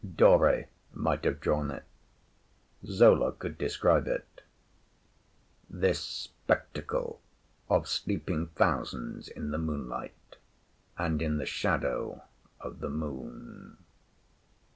Dore might have drawn it! Zola could describe it this spectacle of sleeping thousands in the moonlight and in the shadow of the Moon.